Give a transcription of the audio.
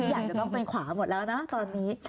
อยากก็ต้องเป็นขวาหมดแล้วเนาะตอนนี้